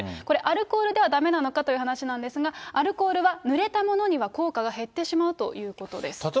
これ、アルコールではだめなのかという話なんですが、アルコールは濡れたものには効果が減ってしまうということです。